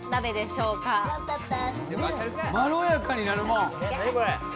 まろやかになるもん？